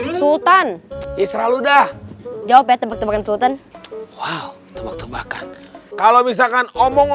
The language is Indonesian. di sultan israel udah jawab ya tebak tebakan sultan wow tebak tebakan kalau misalkan omong